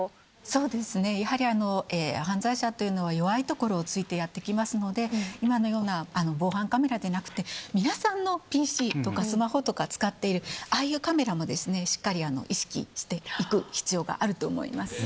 そうですね、やはり犯罪者というのは、弱いところをついてやって来ますので、今のような防犯カメラでなくて、皆さんのＰＣとか、スマホとか、使っているああいうカメラも、しっかり意識していく必要があると思います。